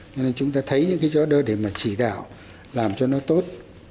cho nên chúng ta thấy những cái chỗ đó để mà chỉ đạo làm cho nó tốt